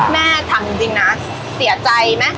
แม่ทำจริงนะเสียใจไหม